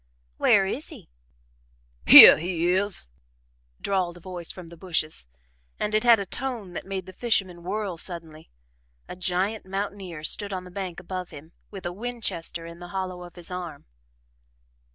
"Where is he?" "Hyeh he is!" drawled a voice from the bushes, and it had a tone that made the fisherman whirl suddenly. A giant mountaineer stood on the bank above him, with a Winchester in the hollow of his arm.